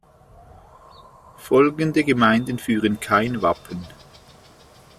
Folgende Gemeinden führen kein Wappen